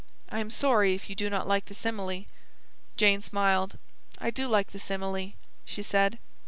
I am sorry if you do not like the simile." Jane smiled. "I do like the simile," she said.